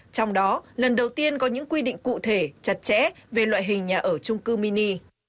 trong đó lần đầu tiên có những quy định cụ thể chặt chẽ về loại hình nhà ở trung cư mini